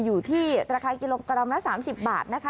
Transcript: อยู่ที่ราคากิโลกรัมละ๓๐บาทนะคะ